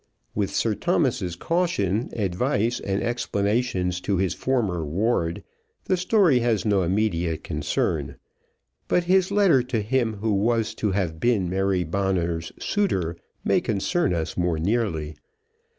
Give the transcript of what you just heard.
With Sir Thomas's caution, advice, and explanations to his former ward, the story has no immediate concern; but his letter to him who was to have been Mary Bonner's suitor may concern us more nearly.